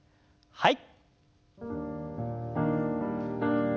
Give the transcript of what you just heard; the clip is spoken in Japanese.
はい。